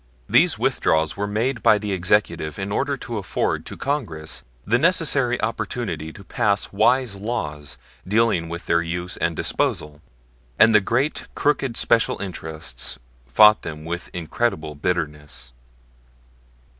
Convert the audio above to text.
These withdrawals were made by the Executive in order to afford to Congress the necessary opportunity to pass wise laws dealing with their use and disposal; and the great crooked special interests fought them with incredible bitterness.